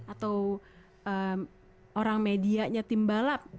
atau orang medianya tim balap